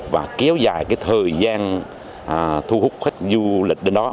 và kéo dài cái thời gian thu hút khách du lịch đến đó